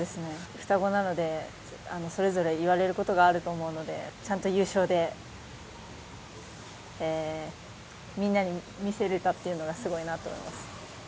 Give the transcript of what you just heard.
双子なので、それぞれ言われることがあると思うので、ちゃんと優勝でみんなに見せれたっていうのがすごいなと思います。